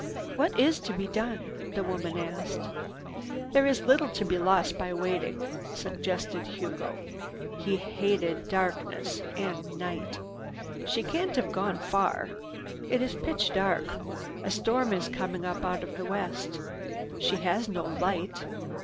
"What is to be done?" the woman asked. "There is little to be lost by waiting," suggested Hugo. He hated darkness and night. "She can't have gone far. It is pitch dark. A storm is coming up out of the west. She has no light.